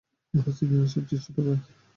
মহসিন ইরার সবচেয়ে ছোট ভাই।